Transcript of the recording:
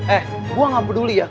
eh gue gak peduli ya